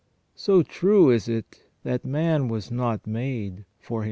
So true is it that man was not made for himself.